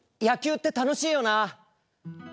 野球って楽しいよな。